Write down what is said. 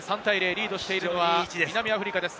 リードしているのは南アフリカです。